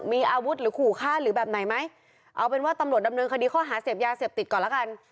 มีอาวุธหรือขู่ฆ่าหรือแบบไหนไหมเอาเป็นว่าตำรวจดำเนินคดีข้อหาเสพยาเสพติดก่อนแล้วกัน